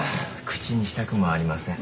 口にしたくもありません。